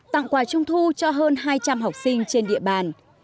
tặng quà trung thu cho hơn hai trăm linh học sinh trên địa bàn